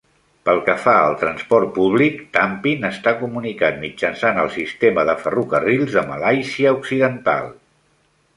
Pel que fa al transport públic, Tampin està comunicat mitjançant el sistema de ferrocarrils de Malàisia Occidental.